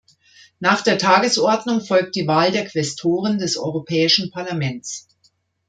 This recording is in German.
Nach der Tagesordnung folgt die Wahl der Quästoren des Europäischen Parlaments.